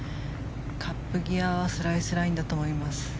カップ際はスライスラインだと思います。